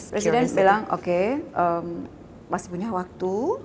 presiden bilang oke masih punya waktu